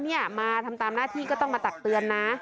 เนี่ยมาทำตามหน้าที่ก็ต้องมาตักเตือนนะ